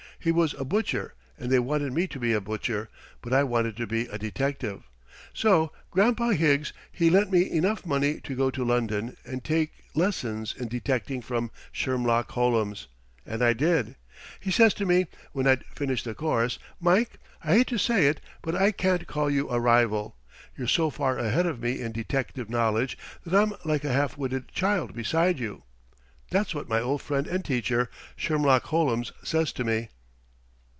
He was a butcher, and they wanted me to be a butcher, but I wanted to be a detective. So Gran'pa Higgs he lent me enough money to go to London and take lessons in detecting from Shermlock Hollums, and I did. He says to me, when I'd finished the course, 'Mike, I hate to say it, but I can't call you a rival. You're so far ahead of me in detective knowledge that I'm like a half witted child beside you.' That's what my old friend and teacher, Shermlock Hollums, says to me."